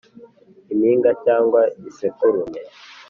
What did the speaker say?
Impigi cyangwa isekurume